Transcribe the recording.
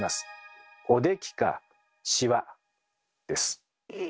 「おでき」か「しわ」です。